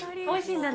おいしい。